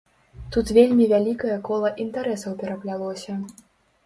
Тут вельмі вялікае кола інтарэсаў пераплялося.